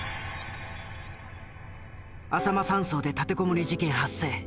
あさま山荘で立てこもり事件発生。